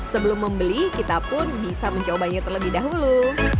sebelum membeli kita pun bisa mencobanya terlebih dahulu